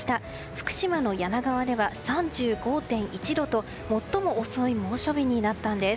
福島の梁川では３５．１度と最も遅い猛暑日になったんです。